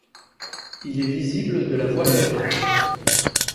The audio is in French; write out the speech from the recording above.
Il est visible de la voie ferrée.